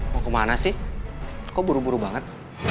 mau kemana sih kok buru buru banget